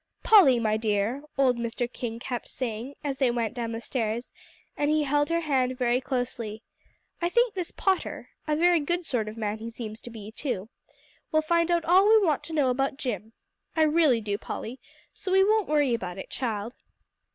"Polly, my dear," old Mr. King kept saying, as they went down the stairs, and he held her hand very closely, "I think this Potter a very good sort of a man he seems to be, too will find out all we want to know about Jim. I really do, Polly; so we won't worry about it, child."